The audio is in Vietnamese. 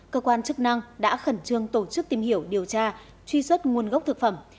cơ quan chức năng đã khẩn trương tổ chức tìm hiểu điều tra truy xuất nguồn gốc thực phẩm